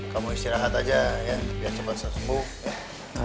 kamu istirahat aja ya biar cepat sesungguh